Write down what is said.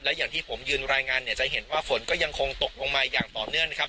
อย่างที่ผมยืนรายงานเนี่ยจะเห็นว่าฝนก็ยังคงตกลงมาอย่างต่อเนื่องนะครับ